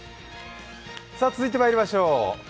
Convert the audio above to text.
続いてまいりましょう。